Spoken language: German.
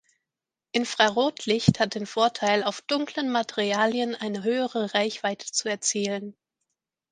Infrarotlicht hat den Vorteil, auf dunklen Materialien eine höhere Reichweite zu erzielen.